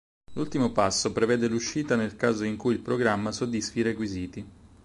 L'ultimo passo prevede l'uscita nel caso in cui il programma soddisfi i requisiti.